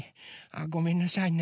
ごめんなさいね。